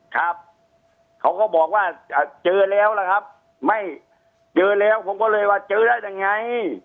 ครับเขาก็บอกว่าเจอแล้วล่ะครับไม่เจอแล้วผมก็เลยว่าเจอได้ยังไง